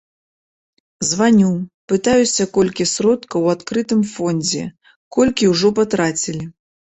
Званю, пытаюся, колькі сродкаў у адкрытым фондзе, колькі ўжо патрацілі.